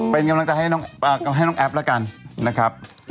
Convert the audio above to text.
เป็นกำลังใจให้น้องแอฟแล้วกันนะครับ